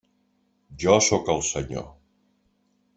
Jo sóc el Senyor.